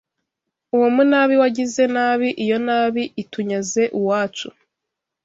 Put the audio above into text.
Uwo munabi wagize nabi, iyo nabi itunyaze uwacu,